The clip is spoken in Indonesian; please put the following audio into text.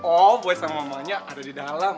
oh gue sama mamanya ada di dalam